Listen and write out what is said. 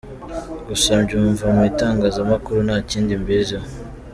Gusa mbyumva mu itangazamakuru nta kindi mbiziho.